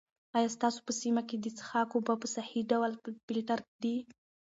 آیا ستاسو په سیمه کې د څښاک اوبه په صحي ډول فلټر دي؟